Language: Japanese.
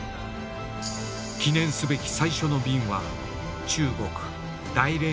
記念すべき最初の便は中国・大連行き。